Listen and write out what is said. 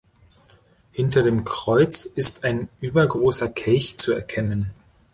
Hinter dem Kreuz ist ein übergroßer Kelch zu erkennen.